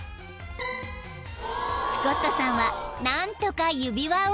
［スコットさんは何とか指輪を］